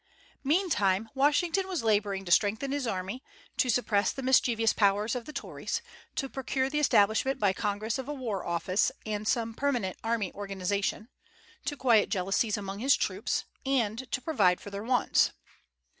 Meantime Washington was laboring to strengthen his army, to suppress the mischievous powers of the Tories, to procure the establishment by Congress of a War Office and some permanent army organization, to quiet jealousies among his troops, and to provide for their wants.